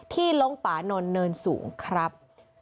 ที่ลงปานนลเนินสูงครับ